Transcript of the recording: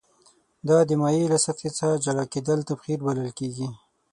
دا د مایع له سطحې څخه جلا کیدل تبخیر بلل کیږي.